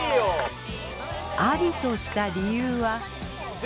アリとした理由は。